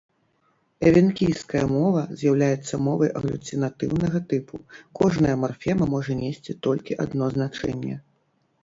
Эвенкійская мова з'яўляецца мовай аглюцінатыўнага тыпу, кожная марфема можа несці толькі адно значэнне.